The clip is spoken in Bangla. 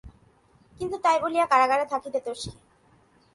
কিন্তু তাই বলিয়া কারাগারে থাকিতে দোষ কি?